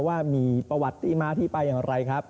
ว่ามีประวัติที่มาที่ไปอย่างไรครับ